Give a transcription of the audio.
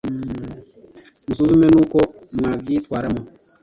musuzume n’uko mwabyitwaramo